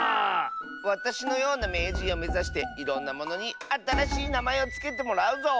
わたしのようなめいじんをめざしていろんなものにあたらしいなまえをつけてもらうぞ。